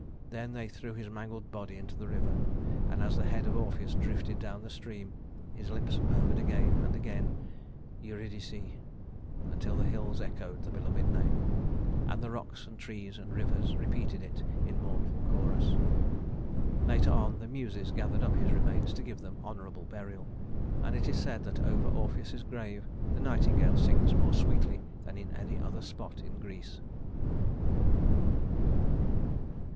Then they threw his mangled body into the river, and as the head of Orpheus drifted down the stream, his lips murmured again and again "Eurydice," until the hills echoed the beloved name, and the rocks and trees and rivers repeated it in mournful chorus. Later on, the Muses gathered up his remains to give them honorable burial; and it is said that over Orpheus's grave the nightingale sings more sweetly than in any other spot in Greece.